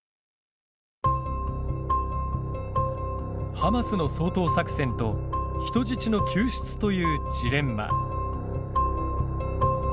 ハマスの掃討作戦と人質の救出というジレンマ。